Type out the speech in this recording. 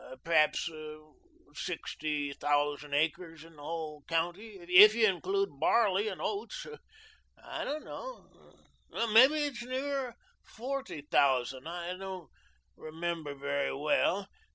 Perhaps sixty thousand acres in the whole county if you include barley and oats. I don't know; maybe it's nearer forty thousand. I don't remember very well.